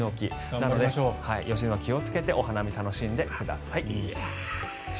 なので良純さん、気をつけてお花見楽しんでください。